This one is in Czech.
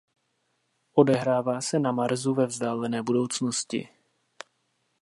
Odehrává se na Marsu ve vzdálené budoucnosti.